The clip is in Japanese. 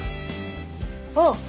あっ。